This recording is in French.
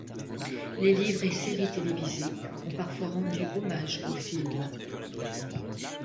Les livres et séries télévisées ont parfois rendu hommage au film.